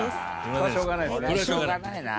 これはしょうがないな。